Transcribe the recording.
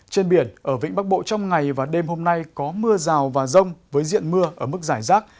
trên biển ở vĩnh bắc bộ trong ngày và đêm hôm nay có mưa rào và rông với diện mưa ở mức giải rác